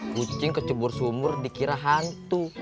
kucing kecebur sumur dikira hantu